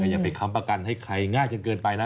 อย่าไปค้ำประกันให้ใครง่ายจนเกินไปนะ